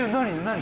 何？